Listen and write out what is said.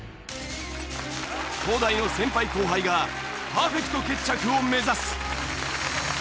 東大の先輩後輩がパーフェクト決着を目指す。